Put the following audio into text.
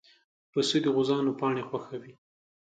پسه د غوزانو پاڼې خوښوي.